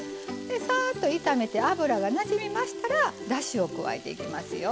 サーッと炒めて油がなじみましたらだしを加えていきますよ